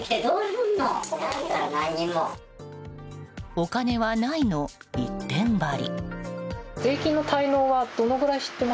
お金はないの一点張り。